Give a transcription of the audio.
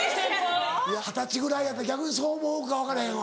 二十歳ぐらいやったら逆にそう思うか分からへんわ。